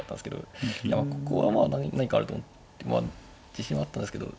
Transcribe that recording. ここはまあ何かあると思って自信はあったんですけど。